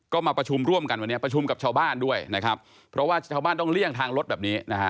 ก็มาประชุมร่วมกันวันนี้ประชุมกับชาวบ้านด้วยนะครับเพราะว่าชาวบ้านต้องเลี่ยงทางรถแบบนี้นะฮะ